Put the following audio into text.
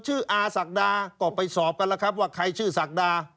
อาศักดาก็ไปสอบกันแล้วครับว่าใครชื่อศักดา